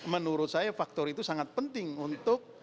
menurut saya faktor itu sangat penting untuk